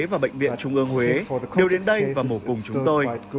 và bệnh viện trung ương huế đều đến đây và mổ cùng chúng tôi